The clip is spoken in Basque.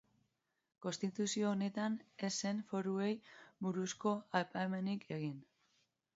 Konstituzio honetan, ez zen foruei buruzko aipamenik egin.